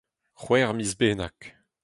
C'hwec'h miz bennak.